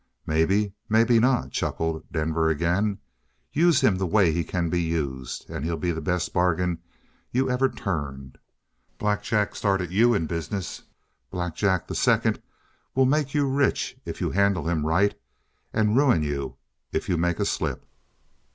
"Maybe; maybe not," chuckled Denver again. "Use him the way he can be used, and he'll be the best bargain you ever turned. Black Jack started you in business; Black Jack the Second will make you rich if you handle him right and ruin you if you make a slip."